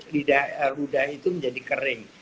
lidah itu menjadi kering